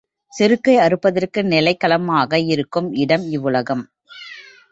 செருக்கை அறுப்பதற்கு நிலைக் களமாக இருக்கும் இடம் இவ்வுலகம்.